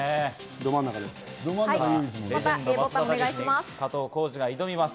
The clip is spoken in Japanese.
ど真ん中です。